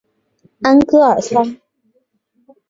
安戈尔桑。